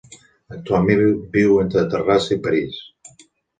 Actualment viu entre Terrassa i París.